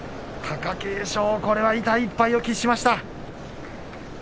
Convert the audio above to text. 貴景勝、これは痛い１敗を喫しました。